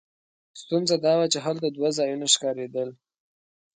ستونزه دا وه چې هلته دوه ځایونه ښکارېدل.